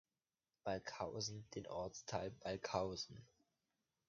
Balkhausen den Ortsteil Balkhausen.